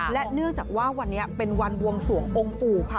และเนื่องจากว่าวันนี้เป็นวันบวงสวงองค์ปู่ค่ะ